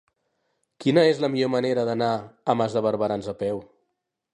Quina és la millor manera d'anar a Mas de Barberans a peu?